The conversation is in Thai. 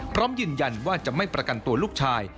พร้อมยืนยันว่าจะไม่ประกันตัวลูกชาย